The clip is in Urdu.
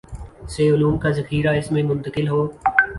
سے علوم کا ذخیرہ اس میں منتقل ہو